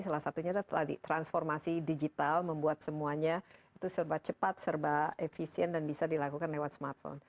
salah satunya adalah tadi transformasi digital membuat semuanya itu serba cepat serba efisien dan bisa dilakukan lewat smartphone